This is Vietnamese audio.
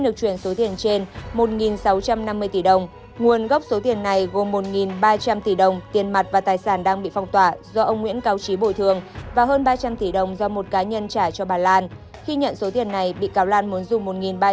khi nhận số tiền này bị cáo lan muốn dùng một ba trăm năm mươi tỷ đồng chuyển qua cho trương huệ vân khắc phục hậu quả trong vụ án